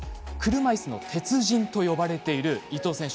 車いすの鉄人と呼ばれている伊藤選手。